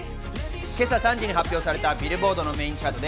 今朝３時に発表されたビルボードのメインチャートで